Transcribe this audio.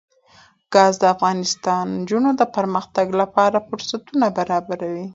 ګاز د افغان نجونو د پرمختګ لپاره فرصتونه برابروي.